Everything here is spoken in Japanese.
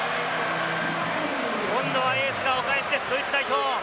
今度はエースがお返しです、ドイツ代表。